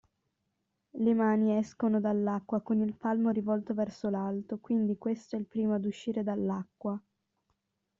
Le mani escono dall'acqua con il palmo rivolto verso l'alto, quindi questo è il primo ad uscire dall'acqua.